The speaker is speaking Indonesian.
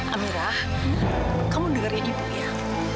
amirah kamu dengerin ibu ya